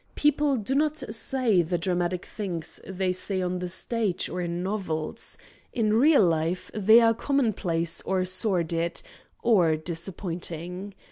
People do not say the dramatic things they say on the stage or in novels; in real life they are commonplace or sordid or disappointing.